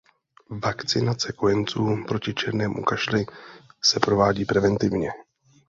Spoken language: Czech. Vakcinace kojenců proti černému kašli se provádí preventivně.